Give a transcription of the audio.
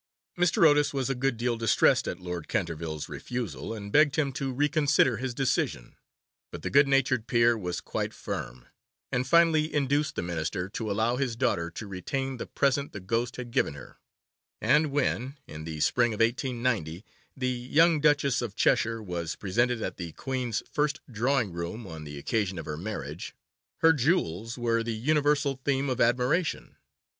Mr. Otis was a good deal distressed at Lord Canterville's refusal, and begged him to reconsider his decision, but the good natured peer was quite firm, and finally induced the Minister to allow his daughter to retain the present the ghost had given her, and when, in the spring of 1890, the young Duchess of Cheshire was presented at the Queen's first drawing room on the occasion of her marriage, her jewels were the universal theme of admiration.